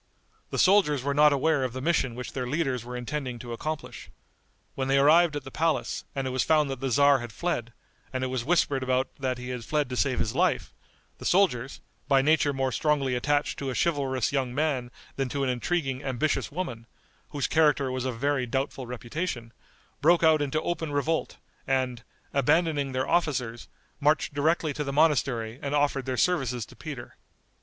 The soldiers were not aware of the mission which their leaders were intending to accomplish. When they arrived at the palace, and it was found that the tzar had fled, and it was whispered about that he had fled to save his life, the soldiers, by nature more strongly attached to a chivalrous young man than to an intriguing, ambitious woman, whose character was of very doubtful reputation, broke out into open revolt, and, abandoning their officers, marched directly to the monastery and offered their services to Peter.